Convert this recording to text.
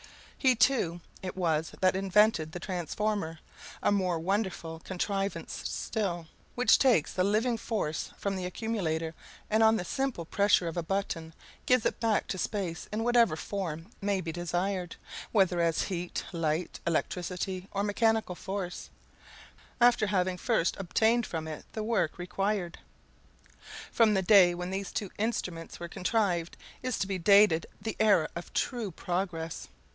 He, too, it was that invented the transformer, a more wonderful contrivance still, which takes the living force from the accumulator, and, on the simple pressure of a button, gives it back to space in whatever form may be desired, whether as heat, light, electricity, or mechanical force, after having first obtained from it the work required. From the day when these two instruments were contrived is to be dated the era of true progress.